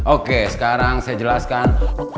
oke sekarang saya jelaskan